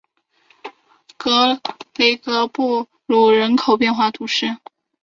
勒格罗迪鲁瓦人口变化图示